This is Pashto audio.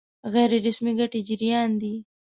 غیر رسمي ګټې جريان دي.